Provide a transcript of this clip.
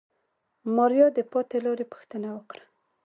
ماريا د پاتې لارې پوښتنه وکړه.